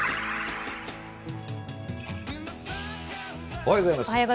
おはようございます。